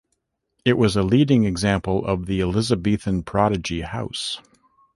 It was a leading example of the Elizabethan prodigy house.